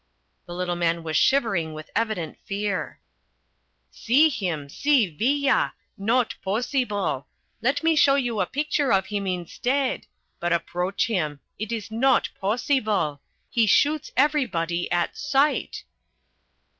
The little man was shivering with evident fear. "See him! See Villa! Not possible. Let me show you a picture of him instead? But approach him it is not possible. He shoots everybody at sight!"